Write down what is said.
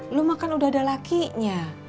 lu makan udah ada lakinya